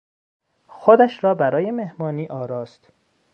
خودش را برای مهمانی آراست.